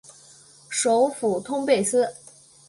首府通贝斯。